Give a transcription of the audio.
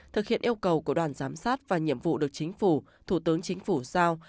thực hiện yêu cầu của đoàn giám sát và nhiệm vụ được chính phủ thủ tướng chính phủ giao